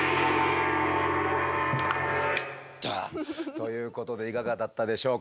ということでいかがだったでしょうか